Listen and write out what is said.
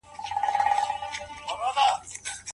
پښتو ژبه زموږ د تاریخ ویاړ ده.